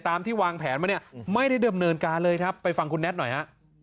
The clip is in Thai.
ตามที่วางแผนมาเนี่ยไม่ได้เดิมเนินการเลยครับไปฟังคุณแท็ตหน่อยฮะ